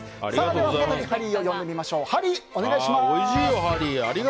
では、再びハリーを呼んでみましょう。